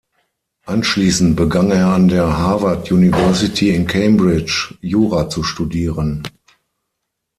Anschließend begann er an der Harvard University in Cambridge Jura zu studieren.